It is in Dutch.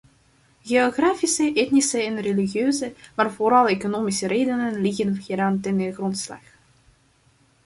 Geografische, etnische en religieuze, maar vooral economische redenen liggen hieraan ten grondslag.